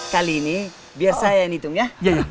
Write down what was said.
kali ini biar saya yang ngitung ya